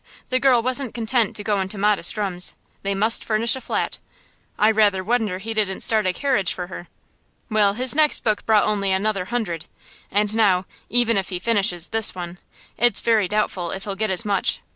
The girl wasn't content to go into modest rooms they must furnish a flat. I rather wonder he didn't start a carriage for her. Well, his next book brought only another hundred, and now, even if he finishes this one, it's very doubtful if he'll get as much.